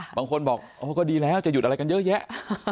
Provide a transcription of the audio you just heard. บางคนบอกอ๋อก็ดีแล้วจะหยุดอะไรกันเยอะแยะ